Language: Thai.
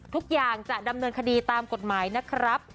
ทุกอย่างจะดำเนินคดีตามกฎหมายนะครับ